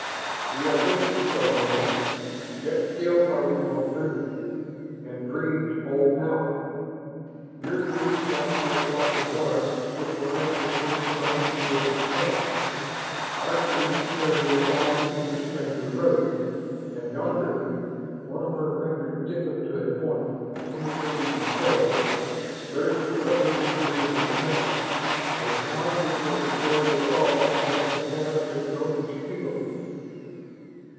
"We are different, star man, yet still are we both dreamers. And dreams hold power. Your dreams brought you across the dark which lies between sun and distant sun. Our dreams carry us on even stranger roads. And yonder" one of her fingers stiffened to a point, indicating the skull "there is another who dreams with power, a power which will destroy us all unless the pattern is broken speedily."